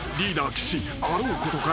あろうことか］